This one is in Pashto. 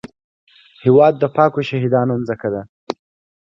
هېواد د پاکو شهیدانو ځمکه ده